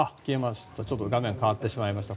画面が変わってしまいました。